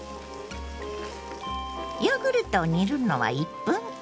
ヨーグルトを煮るのは１分間。